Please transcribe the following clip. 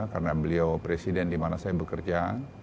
karena beliau presiden di mana saya bekerja